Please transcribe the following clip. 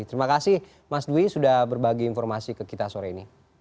terima kasih mas dwi sudah berbagi informasi ke kita sore ini